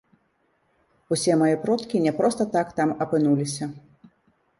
Усе мае продкі не проста так там апынуліся.